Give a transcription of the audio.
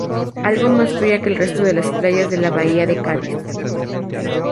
Algo más fría que el resto de las playas de la Bahía de Cádiz.